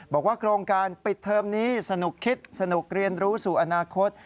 บอกว่าโครงการปิดเทอมนี้สนุกคิดสนุกเรียนรู้สู่อนาคต